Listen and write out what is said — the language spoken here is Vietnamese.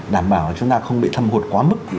đảm bảo là chúng ta không bị thâm hụt quá mức